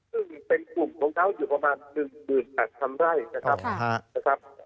ซึ่งเป็นกลุ่มของเขาอยู่ประมาณ๑๘๐๐๐ไร่นะครับ